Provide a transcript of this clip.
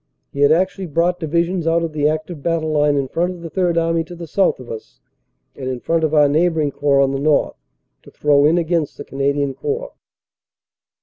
He had actually brought divisions out of the active battle line in front of the Third Army to the south of us and in front of our neighboring Corps on the north to throw in against the Canadian Corps.